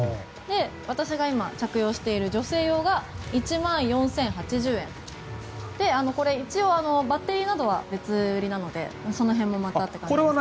私が今着用している女性用が１万４０８０円これ一応バッテリーなどは別売りなのでその辺もまたって感じですが。